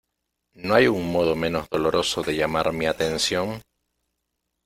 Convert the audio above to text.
¿ No hay un modo menos doloroso de llamar mi atención?